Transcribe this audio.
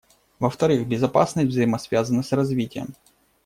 Во-вторых, безопасность взаимосвязана с развитием.